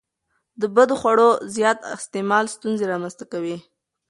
د بدخواړو زیات استعمال ستونزې رامنځته کوي.